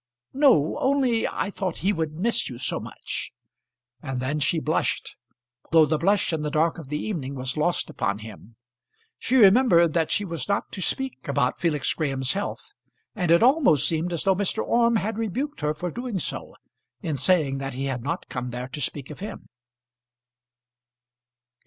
"No only I thought he would miss you so much." And then she blushed, though the blush in the dark of the evening was lost upon him. She remembered that she was not to speak about Felix Graham's health, and it almost seemed as though Mr. Orme had rebuked her for doing so in saying that he had not come there to speak of him.